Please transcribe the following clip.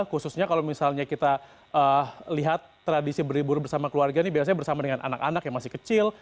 khususnya kalau misalnya kita lihat tradisi berlibur bersama keluarga ini biasanya bersama dengan anak anak yang masih kecil